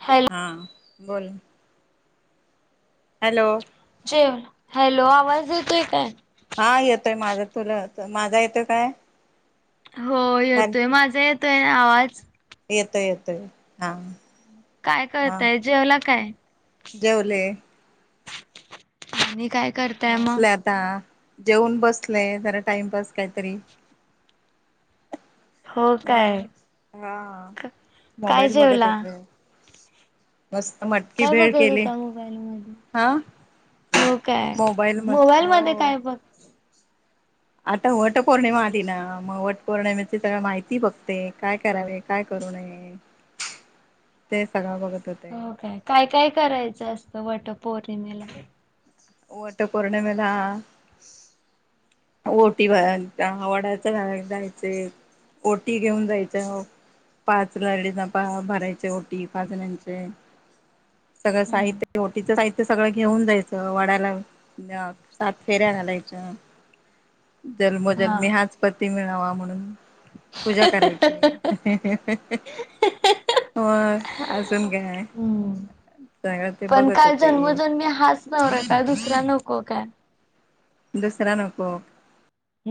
Hello हा, बोल. Hello. Hello, आवाज येतोय काय? हा येतोय. माझं तुला, माझा येतोय काय? हो ह येतोय, माझा येतोय आवाज? येतोय येतोय, हां. काय करताय? जेवला काय? जेवले. आणि काय? करताय मग? बसले आता, जेऊन बसले जरा टाइमपास कायतरी. हो म, काय हा हा. काय मोबाईल बघत जेवला? होते. मस्त मटकी काय भेळ बघत केली होता मोबाईल मध्ये? हा हो काय? म मोबाईल मध्ये हो काय बघ आता वट पौर्णिमा आली ना मग वट पौर्णिमेची सगळं माहिती बघते, काय करावे काय कर करू नये. [inaudible] ते सगळं बघत होत हो काय? काय काय करायचं असतं वट पौर्णिमेला? वट पौर्णिमेला ओटी भ वडाच झाड जायचे ओटी घेऊन जायचंय हो पाच लाडीना पा भरायचे ओटी पाचण्याचे. सगळं हम्म साहित्य, ओटीच साहित्य सगळं घेऊन जायचं. वाड्याला सात फेऱ्या घालायच्या. हा जन्मोजन्मी हाच पती मिळावा म्हणून पूजा करायची. हो, अजून काय. हम्म सगळं ते पण बघत काय होते जन्मोजन्मी हाच नव्हरा का दुसरा नको काय? दुसरा नको.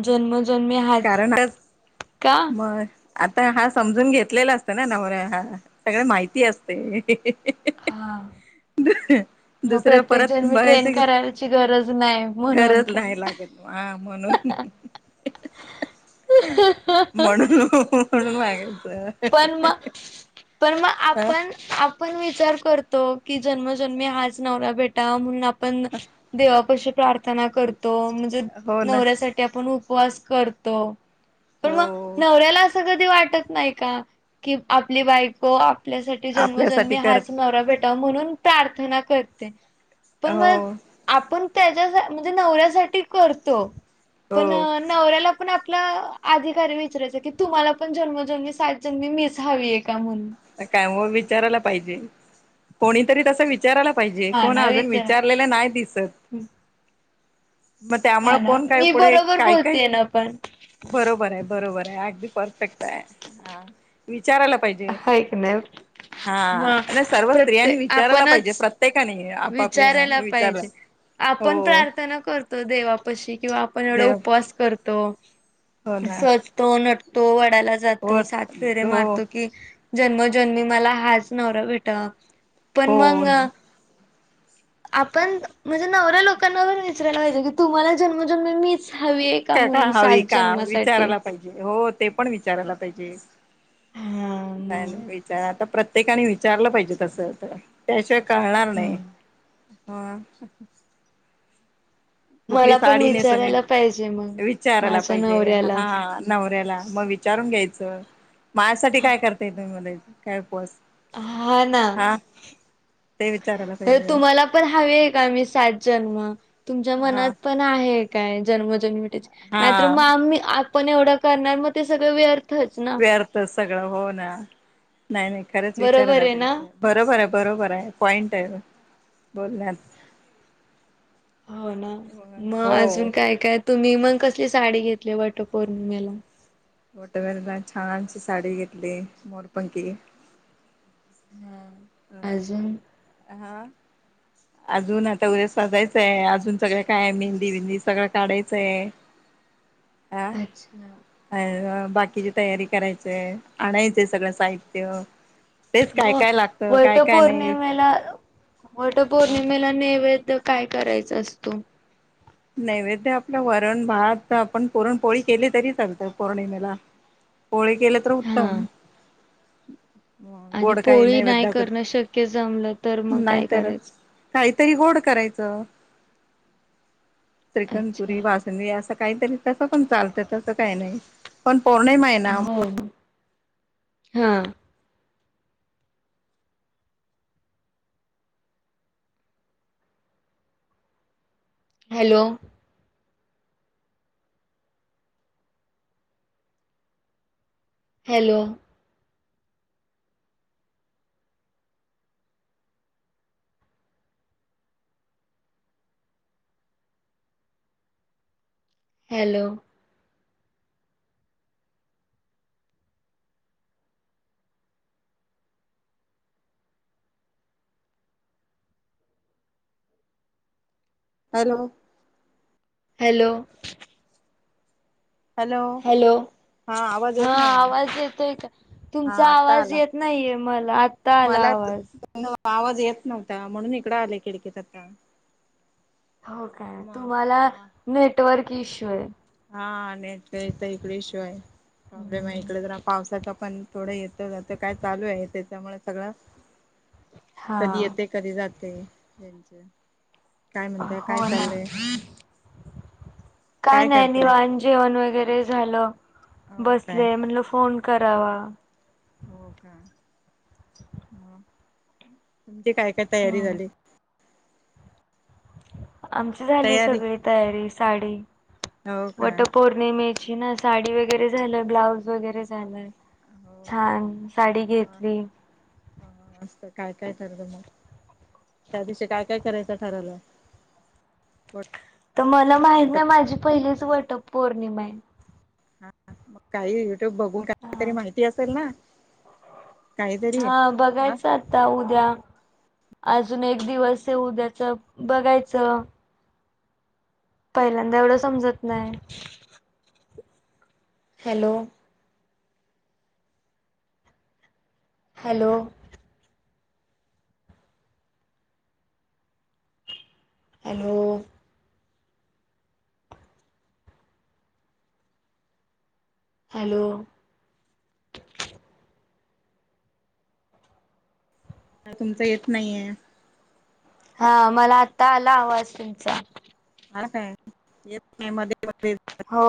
जन्मोजन्मी हाच, कारण का? मग आता हा समजून घेतलेला असत ना नवऱ्या हा सगळे माहिती असते. हा. मग दुसऱ्या प्रत्येक परत जण मी बघायच ट्रेन की करायची गरज नाही म्हणून गरज काय नाही लागत. हा म्हणून म्हणून. मागायचं पण मग, पण मग अ आपण, आपण विचार करतो की जन्मोजन्मी हाच नवरा भेटावा म्हणून आपण देवा पशी प्रार्थना करतो, म्हणजे हो ना नवऱ्यासाठी आपण उपवास करतो पण मग हो नवऱ्याला असं कधी वाटत नाही का की आपली बायको आपल्यासाठी जन्मोजन्मी आपल्यासाठी हाच करत नवरा भेटावा म्हणून प्रार्थना करते पण हो मग आपण त्याच्यासा म्हणजे नवऱ्यासाठी करतो पण हो नवऱ्याला पण आपला अधिकार आहे न विचारयच की तुम्हाला पण जन्मोजन्मी सात जन्मी मीच हवी आहे का? म्हणून. काय म विचारायला पाहिजे, कोणीतरी तस विचार विचारायला पाहिजे, हा कोण ना अजून विचार विचारलेलं नाही दिसत. मग त्यामुळ हा ना कोण काय मी पुड बरोबर काय काय बोलतेय ना पण बरोबराय बरोबराय अगदी परफेक्टाय हा विचारायला पाइजे. हा मग नाई सर्व स्त्रियांनी प्रत्येक विचारायला पाईजे आपणच प्रत्येकानी आपापल्या हेना विचारायला विचारुन. पाहिजे. आपण प्रार्थना करतो देवापशी किंवा आपण एवड देव उपवास करतो. हो ना सजतो नटतो वा. डाला हो जातो सात फेरे हो मारतो की. जन्मोजन्मी मला हाच न्हवरा भेटाव पण हो मंग ना आपण म्हणजे नवरे लोकांना पण विचरायला पाहिजे की तुमाला जन्मोजन्मी मीच. हवी आहे का ना म्हणून सात हवी का जन्मासाठी. विचारायला पाईजे हो- ते पण विचारायला पाईजे हा नाई मग नाई विचारा आता प्रत्य प्रत्येकाने विचारलं पाईजे तसं तर त्याशिवाय कळणार नइ. हम्म. होय. कुटली मला पण साडी नेसु मी विचारायला पाहिजे मग विचारायला माझ्या पाईजे नवऱ्याला. हा नवऱ्याला म विचारून घ्यायचं मायासाठी काय करताय तुमी मणायच काय उपवास हा ना हा ते विचारायला तर पाहिजे तुमाला पण हवीय काय मी सात ज जन्म तुमच्या हा मनात पण आहे काय जन्मोजन्मी टिच नाय तर हा मग आम्मी पण एवड करणार म ते सगळं व्यर व्यार्थच सगळं हो ना नाई नइ खरंच बरोबर विचारायला आहे ना पाइजे बर बरोबराय पॉइंटाय बोलण्यात हो ना म हो अजून काय काय तुमी मंग कसली साडी घेतलीए वटपौर्णिमेला वटवरला छानशी साडी घेतलीए मोरपंकी हम् अम हा [inaudible] अजून आता उद्या साजायचंए अजून सगळं काय मेंदी बेंदी सगळं काढायचंए [inaudible] ह अच्छा अ बाकीची तयारी करायचिय आणायचय सगळं साहित्य तेच काय काय लागत वट पौर्णिमेला अ वट पौर्णिमेला नैवे द्य काय करायचा असतो नैवेद्य आपलं वरण भात आपण पुरणपोळी केली तरी चालत पौर्णिमेला ह पोळी केल तर उत्तम आणि गोड काही पोळी नैवेद्य नाही दाकव करणं शक्य जमलं तर ल मग नाय काय तर करायचं? काइतरी गोड करायचं श्रीकड अच्छा पुरी बासुंदीअसं काइतरी तसं पण चालतं तसं काय नइ पौरणिमाए ना हा hello hello hello hello hello hello hello. हा आवाज हा येत नाही आहे. आवाज येतोय का हा तुमचा आता आवाज आला येत नाइये मला आत्ता आला मला आवाज येत नव्हता म्हणून इकड आले खिडकत आत्ता हो काय तुम्हाला नेटवर्क इश्यू आहेत हा नेट तर इकडे इशू आहे प्रॉब्लेम आहे इकडे ज पावसाचा पण थोडं येत जात काय चालू आहे त्याच्यामुळे सगळं कधी हा. येते कधी जात ते त्यांच काय म्हणताय हो काय ना चाललंय काय नाही निवाण जेवण वगैरे झालं हो काय बसले म्हणलं फोन करावा हो का [inaudible] काय काय तयारी हम्म. झाली आमची झाली तयारी सगळी तयारी साडी हो का वटपौर्णिमेची ती ना साडी वगैरे झाल ब्लाऊज वगैरे झालं हो का छान साडी वा घेतली काय काय ठरत त्या दिवशी काय काय करायचा ठराला तर मला माहत ना माझी पहिलीच वट पौर्णिमा आहे हा मग काही युट्यूब बघून काहीतरी आहे. माहिती असेल ना काहीतरी हा हा बघायच आता उद्या अजून एक दिवस ये उद्याच बघायचं पहिल्यांदा एवढं समजत नाही हॅलो हॅलो हॅलो हॅलो तुमच येत नाहीये हा मला आता आला आवाज तुमचा ह काय येत नाही मध्ये मध्ये हो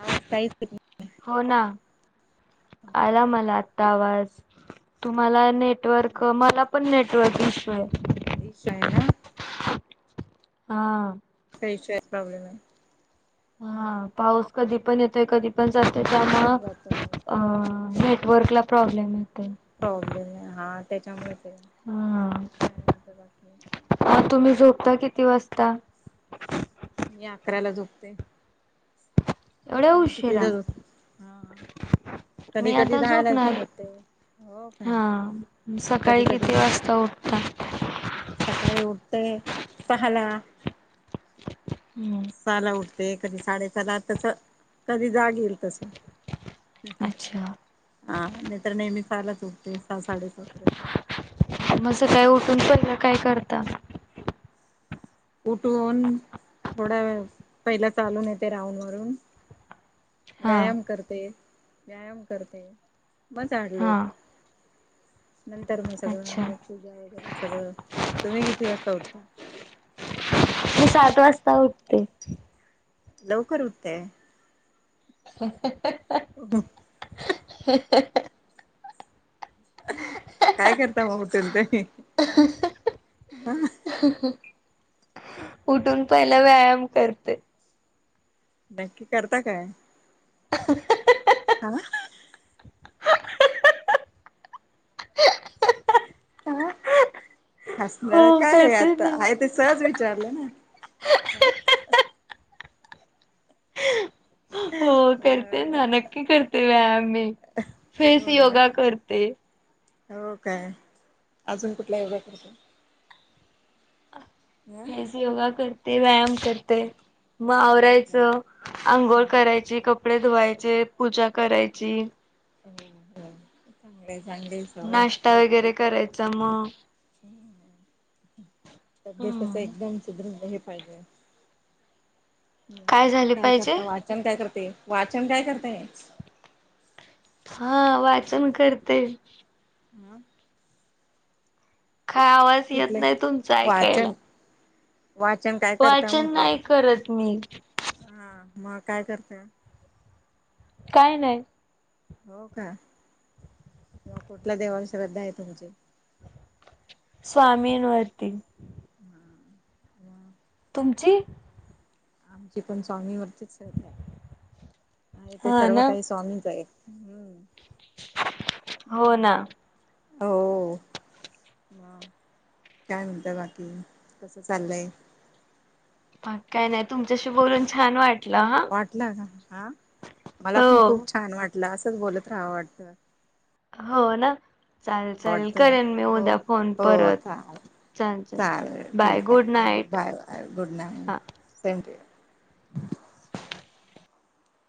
आवाज काहीच हो ना आला मला आत्ता आवाज तुम्हाला नेटवर्क मला पण नेटवर्क इश्यू आहे खुश आहे ना हा विषयाचा प्रॉब्लेम आहे हा पाऊस कधी पण येतोय कधी पण जातोय त्यांमुळ पण जातो अ भेट प्रॉब्लेम आहे हा त्याच्यामुळेच हा काय म्हणत बाकी [inaudible] अ तुम्ही झोपता किती वाजता मी अकराला झोपते एवढ तुम्ही उशीिरा कितीला झोप हा कधी मी कधी आता दहाला पण झोपणार झोपते हो का हा सकाळी कधी कधी किती वाजता उटता तर [unintelligible] सकाळी उठते सहाला हम्म सहाला उठते ते कधी साडेसला तस कधी जागे हे कस अच्छा हा नाही तर नेहमी खयला च सुटते सहा साड्याचं मझ काय उठून पण काय करता उठून थोडा वेळ पहिला चालून येते राउडहून मारून हा व्यायाम करते व्यायाम करते मग झाडलोट हा नंतर मग अच्छा सगळं अ पूजा वगैरे सगळं तुम्ही किती वाजता उठता मी सात वाजता उठते लवकर उठते [inaudible] ब ह काय करता मग उठल त ह ह उठून पहिला व्यायाम करते नक्की करता काय हह हा आह हो हसणार काय करते आता ना. हे ते सहज विचारलं ना हो करते ना अ नक्की करते व्यायाम मी फेस हो ना योगा करते हो काय अजून कुठल्या योगा करतो फेस योगा करते व्यायाम करते हो काय मावरायचं आंघोळ हो करायची कप कपडे धुवायचे पूजा करायची ह चांगलं नाश्ता वगैरे करायचा मग तब्येत अस हम्म एकदम सुधरलं हे पााहजे झाले काय पाहिजे. करता वाचन काय करते वाचन काय करते तेेस हा वाचन करते आमम काय आवाज येत कुठले नाही तुमचा ऐकायला वाचन वाचन काय करता वाचन म्हटलं? नाही करत मी हा मग काय करतेय काय नाही हो का म कुठला देवाण श्रद्धा आहे तुमची स्वामींवरती हम ह तुमची आमची पण स्वामीवरतीच तेे हा सर्व ना काही स्वामीच आहे हम्म. हो ना हो काय म्हणतं बाकी कस चाललंय प काय नाही तुमच्याशी बोलून छान वाटत वाटलं का हा मला पण हो खूप छान वाट असंच बोलत राहाव वाटतं हो ना चाल चाल वाटतं करेन मी हो उद्या फोन हो परत चालेल. चाल चाल चालेल बाय ठीक गुड आहे night bye bye good night हा सेम टू यू